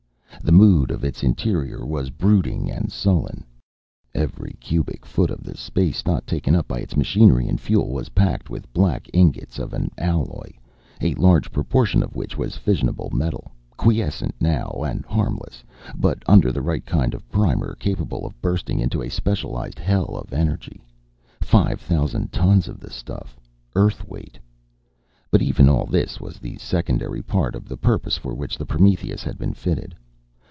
The mood of its interior was brooding and sullen. Every cubic foot of space not taken up by its machinery and fuel was packed with black ingots of an alloy, a large proportion of which was fissionable metal, quiescent now, and harmless, but under the right kind of primer, capable of bursting into a specialized hell of energy. Five thousand tons of the stuff, Earth weight! But even all this was the secondary part of the purpose for which the Prometheus had been fitted.